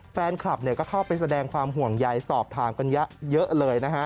แฟนคลับเข้าไปแสดงความห่วงใหญ่สอบทำกันเยอะเลย